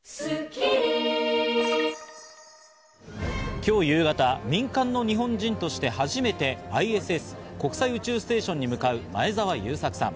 今日夕方、民間の日本人として初めてＩＳＳ＝国際宇宙ステーションに向かう前澤友作さん。